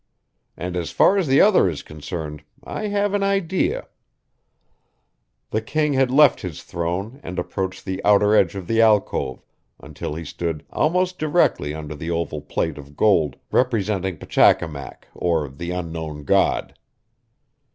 And as far as the other is concerned, I have an idea." The king had left his throne and approached the outer edge of the alcove, until he stood almost directly under the oval plate of gold representing Pachacamac or the unknown god.